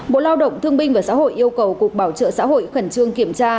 bộ lao động thương binh và xã hội yêu cầu cục bảo trợ xã hội khẩn trương kiểm tra